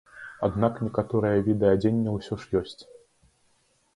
Аднак некаторыя віды адзення ўсё ж ёсць.